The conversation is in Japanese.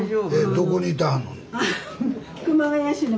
どこにいてはんの？